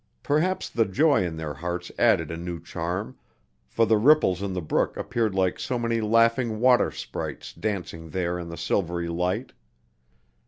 Perhaps the joy in their hearts added a new charm, for the ripples in the brook appeared like so many laughing water sprites dancing there in the silvery light.